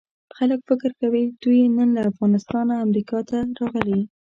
خلک فکر کوي دوی نن له افغانستانه امریکې ته راغلي.